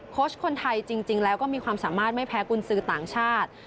ชคนไทยจริงแล้วก็มีความสามารถไม่แพ้กุญสือต่างชาติ